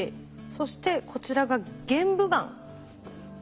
そしてこちらが玄武岩。